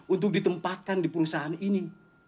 untuk ditempatkan di perusahaan ini